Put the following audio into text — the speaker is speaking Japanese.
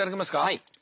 はい。